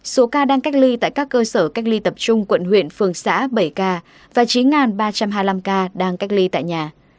số ca đang cách ly tại các cơ sở cách ly tập trung quận huyện phường xã bảy ca và chín ba trăm hai mươi năm ca